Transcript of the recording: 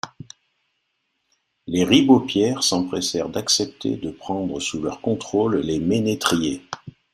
Les Ribeaupierre s’empressèrent d’accepter de prendre sous leur contrôle les ménétriers.